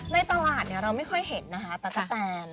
ในตลาดเราไม่ค่อยเห็นนะคะตะกะแตน